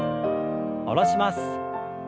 下ろします。